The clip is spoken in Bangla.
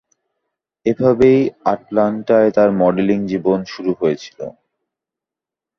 এভাবেই আটলান্টায় তার মডেলিং জীবন শুরু হয়েছিল।